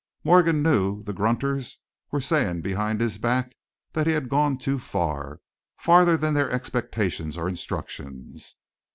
Morgan knew the grunters were saying behind his back that he had gone too far, farther than their expectations or instructions.